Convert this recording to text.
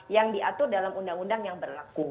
yang diatur dalam undang undang yang berlaku